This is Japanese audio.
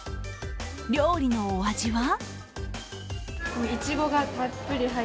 料理のお味は？